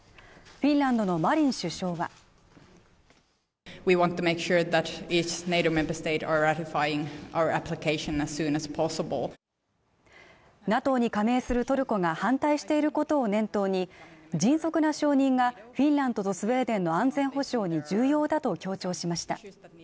フィンランドのマリン首相はＮＡＴＯに加盟するトルコが反対していることを念頭に迅速な承認がフィンランドとスウェーデンの安全保障に重要だと強調しました。